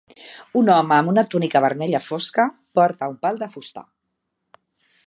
Un home amb una túnica vermella fosca porta un pal de fusta.